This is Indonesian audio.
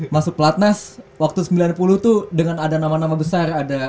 masuk pelatnas waktu sembilan puluh tuh dengan ada nama nama besar